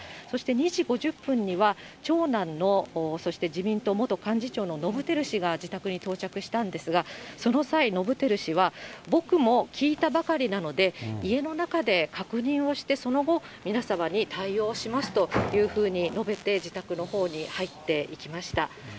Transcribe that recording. そして２時５０分には、長男のそして、自民党元幹事長の伸晃氏が自宅に到着したんですが、その際、伸晃氏は、僕も聞いたばかりなので、家の中で確認をしてその後、皆様に対応しますというふうに述べて、自宅のほうに入っていきました。